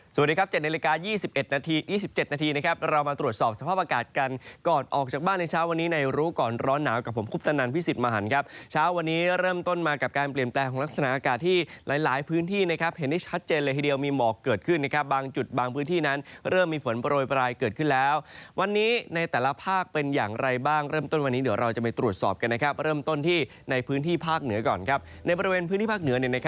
สวัสดีครับ๗นาฬิกา๒๑นาที๒๗นาทีนะครับเรามาตรวจสอบสภาพอากาศกันกอดออกจากบ้านในเช้าวันนี้ในรู้ก่อนร้อนหนาวกับผมคุบตนันพี่สิทธิ์มหันครับเช้าวันนี้เริ่มต้นมากับการเปลี่ยนแปลของลักษณะอากาศที่หลายหลายพื้นที่นะครับเห็นได้ชัดเจนเลยทีเดียวมีหมอกเกิดขึ้นนะครับบางจุดบางพื้นท